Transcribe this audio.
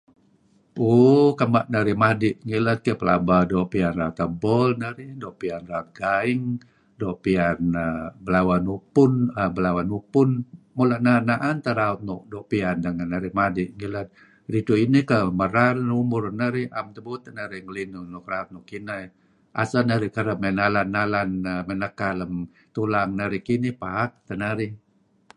Uuh kema' narih madi' ngilad pelaba doo' piyan raut ebol narih, doo' piyan raut gaing narih, doo' piyan err belawan upun belawan upun. Mula' na'an-na'an teh raut nuk doo' piyan renga' narih madi' ngilad. Ridtu' inih keh merar neh umur narih na'em tebuut teh narih ngelinuh raut nuk ineh eh asal narih kereb mey nalan-nalan neka lem tulang narih kinih paak teh narih.